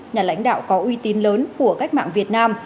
nhà lãnh đạo có uy tín lớn của cách mạng việt nam